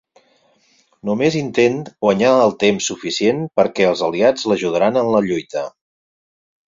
Només intent guanyar el temps suficient perquè els aliats l'ajudaran en la lluita.